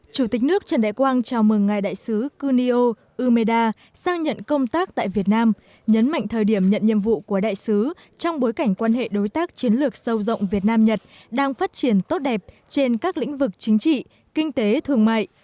chủ tịch nước trần đại quang chào mừng ngài đại sứ kunio umeda sang nhận công tác tại việt nam nhấn mạnh thời điểm nhận nhiệm vụ của đại sứ trong bối cảnh quan hệ đối tác chiến lược sâu rộng việt nam nhật đang phát triển tốt đẹp trên các lĩnh vực chính trị kinh tế thương mại